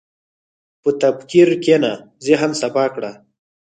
په تفکر کښېنه، ذهن صفا کړه.